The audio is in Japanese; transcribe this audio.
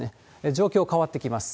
状況変わってきます。